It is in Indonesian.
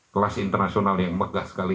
kelas internasional yang megah sekali